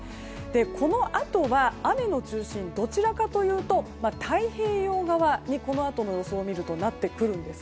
このあとは、雨の中心どちらかというと太平洋側にこのあとの予想を見るとなってくるんです。